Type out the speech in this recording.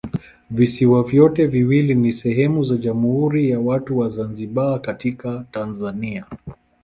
Visiwa vyote viwili ni sehemu za Jamhuri ya Watu wa Zanzibar katika Tanzania.